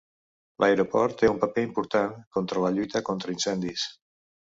L'aeroport té un paper important contra la lluita contra incendis.